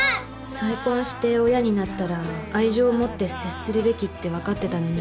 再婚して親になったら愛情を持って接するべきってわかってたのに。